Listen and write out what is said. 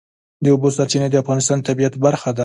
د اوبو سرچینې د افغانستان د طبیعت برخه ده.